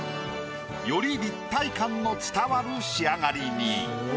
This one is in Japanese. より立体感の伝わる仕上がりに。